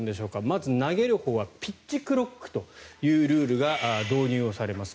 まず投げるほうはピッチクロックというルールが導入されます。